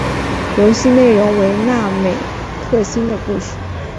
游戏内容为那美克星的故事。